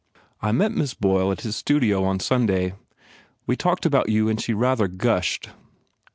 I met Miss Boyle at his studio on Sunday. We talked about you and she rather gushed.